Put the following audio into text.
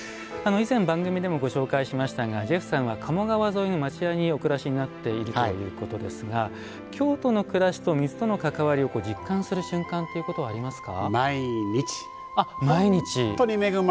以前、番組でもご紹介しましたがジェフさんは鴨川沿いの町家にお暮らしになっているということですが京都の暮らしと水との関わりを実感する瞬間ということはありますか。